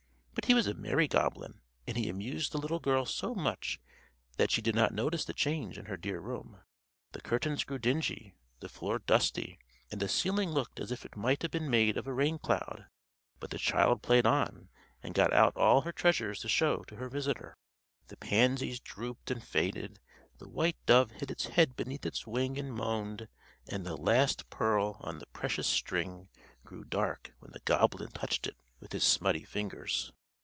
But he was a merry goblin, and he amused the little girl so much that she did not notice the change in her dear room. The curtains grew dingy, the floor dusty, and the ceiling looked as if it might have been made of a rain cloud; but the child played on, and got out all her treasures to show to her visitor. The pansies drooped and faded, the white dove hid its head beneath its wing and moaned; and the last pearl on the precious string grew dark when the goblin touched it with his smutty fingers.